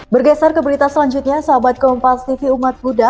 bergeser ke berita selanjutnya sahabat kompastv umat budha